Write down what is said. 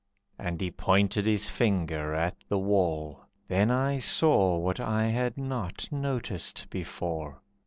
And he pointed his finger at the wall. Then I saw what I had not noticed before.